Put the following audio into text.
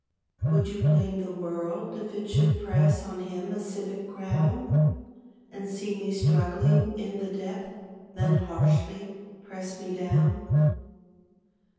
Would you blame the world if it should press On him a civic crown; And see me struggling in the depth Then harshly press me down?